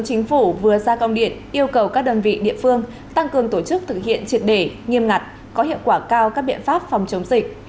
chính phủ vừa ra công điện yêu cầu các đơn vị địa phương tăng cường tổ chức thực hiện triệt để nghiêm ngặt có hiệu quả cao các biện pháp phòng chống dịch